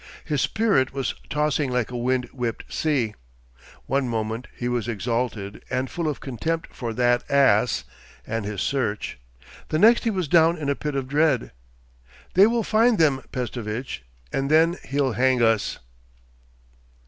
His spirit was tossing like a wind whipped sea. One moment he was exalted and full of contempt for 'that ass' and his search; the next he was down in a pit of dread. 'They will find them, Pestovitch, and then he'll hang us.